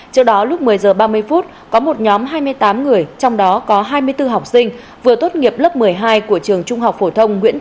trước đó lúc một mươi h ba mươi có một nhóm hai mươi tám người trong đó có hai mươi bốn học sinh vừa tốt nghiệp lớp một mươi hai của trường trung học phổ thông nguyễn